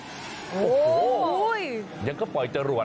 โอ้โหยังก็ปล่อยจรวด